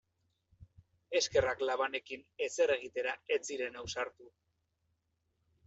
Eskerrak labanekin ezer egitera ez ziren ausartu.